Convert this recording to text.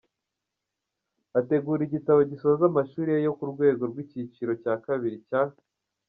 ategura igitabo gisoza amashuri ye yo ku rwego rwikiciro cya kabiri cya.